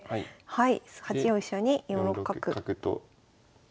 はい。